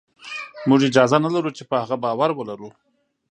موږ اجازه نه لرو چې په هغه باور ولرو